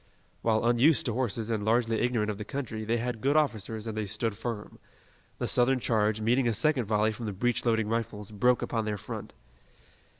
While unused to horses and largely ignorant of the country, they had good officers and they stood firm. The Southern charge, meeting a second volley from the breech loading rifles, broke upon their front.